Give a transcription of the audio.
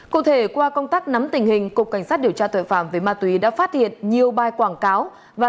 cụ thể qua công tác nắm tình hình cục cảnh sát điều tra tội phạm về ma túy đã phát hiện nhiều bài quảng cáo